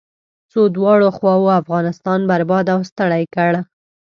څو دواړو خواوو افغانستان برباد او ستړی کړ.